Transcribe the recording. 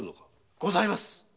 ございます。